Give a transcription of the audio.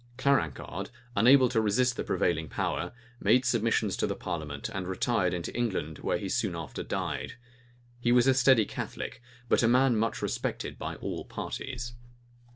Clanricarde, unable to resist the prevailing power, made submissions to the parliament, and retired into England, where he soon after died. He was a steady Catholic, but a man much respected by all parties.